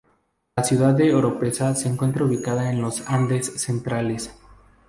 La ciudad de Oropesa se encuentra ubicada en los Andes Centrales.